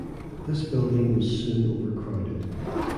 This building was soon overcrowded.